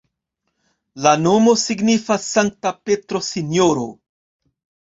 La nomo signifas Sankta Petro-Sinjoro.